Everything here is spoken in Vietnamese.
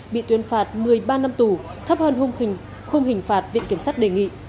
bị tuyên phạt một mươi ba năm tù thấp hơn hung hình phạt viện kiểm sát đề nghị